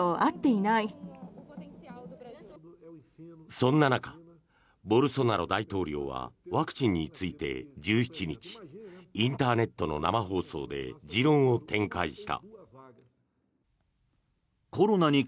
そんな中、ボルソナロ大統領はワクチンについて１７日インターネットの生放送で持論を展開した。